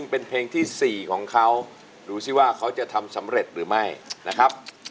เพลงที่๔ของเขาดูสิว่าเขาจะทำสำเร็จหรือว่าร้องผิดครับ